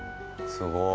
すごい。